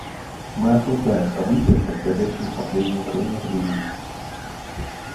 Мы осуждаем события, происходящие в последнее время в Ливии.